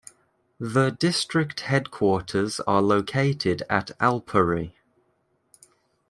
The district headquarters are located at Alpuri.